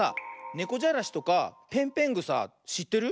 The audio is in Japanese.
ねこじゃらしとかぺんぺんぐさしってる？